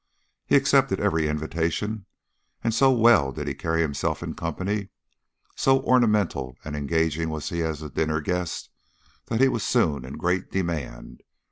He accepted every invitation, and so well did he carry himself in company, so ornamental and engaging was he as a dinner guest, that he was soon in great demand.